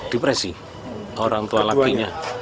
depresi orang tua lakinya